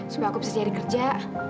supaya aku bisa siap di kerja